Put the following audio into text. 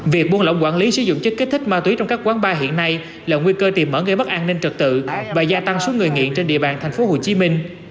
việc buôn lỏng quản lý sử dụng chất kích thích ma túy trong các quán bar hiện nay là nguy cơ tiềm mở gây mất an ninh trật tự và gia tăng số người nghiện trên địa bàn thành phố hồ chí minh